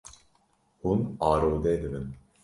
Hûn arode dibin.